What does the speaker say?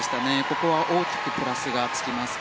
ここは大きくプラスがつきます。